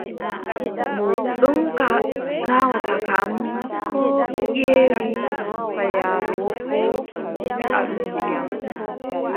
Mo ɗomka naawata kam, koo ƴeewi faayaalo boo, wiʼa ɗum ndiyam.